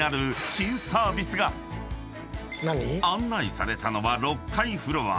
［案内されたのは６階フロア。